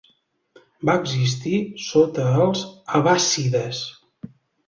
Va existir sota els abbàssides.